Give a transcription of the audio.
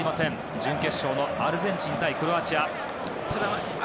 準決勝のアルゼンチン対クロアチア。